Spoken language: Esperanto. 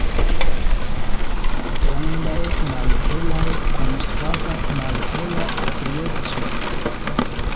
Grandaj, malhelaj, kun svaga malhela strieco.